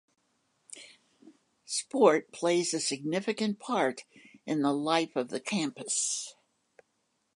Sport plays a significant part in the life of the campus.